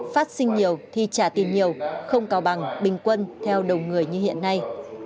phát sinh nhiều thì trả tiền nhiều không cao bằng bình quân theo đồng người như hiện nay